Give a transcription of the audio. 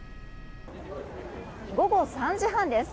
午後３時半です。